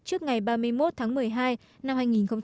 trước ngày ba mươi một tháng một mươi hai năm hai nghìn một mươi sáu